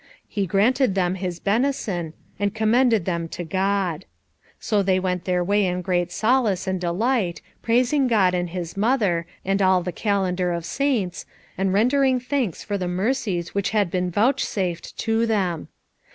He granted them his benison, and commended them to God. So they went their way in great solace and delight, praising God and His Mother, and all the calendar of saints, and rendering thanks for the mercies which had been vouchsafed to them.